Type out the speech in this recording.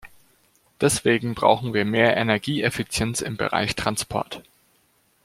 Deswegen brauchen wir mehr Energieeffizienz im Bereich Transport.